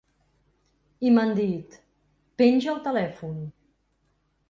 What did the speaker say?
I m’han dit: ‘Penja el telèfon’.